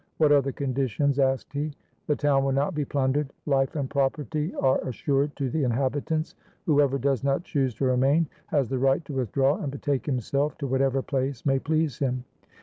"What are the conditions?" asked he. "The town will not be plundered; life and property 141 RUSSIA are assured to the inhabitants. Whoever does not choose to remain has the right to withdraw and betake himself to whatever place may please him."